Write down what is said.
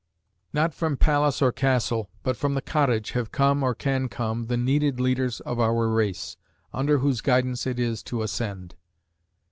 Not from palace or castle, but from the cottage have come, or can come, the needed leaders of our race, under whose guidance it is to ascend.